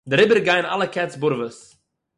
דעריבער גייען אַלע קעץ באָרוועס.